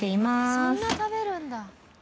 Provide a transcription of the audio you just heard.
そんな食べるんだ。